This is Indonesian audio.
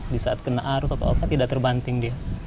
di saat kena arus atau apa tidak terbanting dia